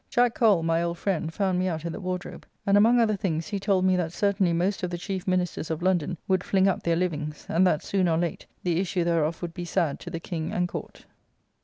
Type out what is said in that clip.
Jack Cole, my old friend, found me out at the Wardrobe; and, among other things, he told me that certainly most of the chief ministers of London would fling up their livings; and that, soon or late, the issue thereof would be sad to the King and Court.